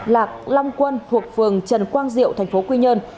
lạc long quân thuộc phường trần quang diệu thành phố quy nhơn